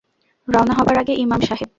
রওনা হবার আগে ইমাম সাহেব।